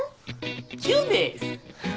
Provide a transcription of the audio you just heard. キュンです！